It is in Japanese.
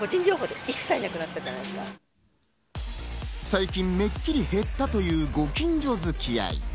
最近めっきり減ったというご近所付き合い。